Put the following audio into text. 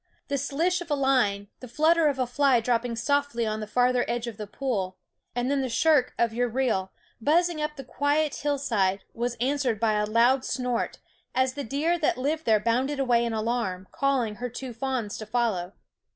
The slish of a line, the flutter of a fly dropping softly on the farther edge of the pool and then the shriek of your reel, buzzing up the quiet hillside, was answered by a loud snort, as the deer that lived there bounded away in alarm, calling her two fawns to follow.